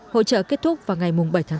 hội trợ kết thúc vào ngày bảy tháng tám